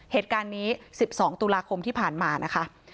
เหตุการณ์นี้๑๒ตุลาคมที่ผ่านมานะคะ